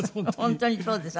本当にそうです。